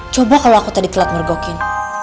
coba kalau aku tadi telat mergokin